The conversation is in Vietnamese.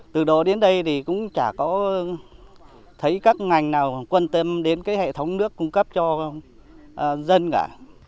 từ đó đến đây thì cũng chả có thấy các ngành nào quan tâm đến cái hệ thống nước cung cấp cho dân cả